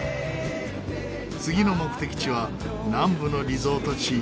次の目的地は南部のリゾート地ニャチャン。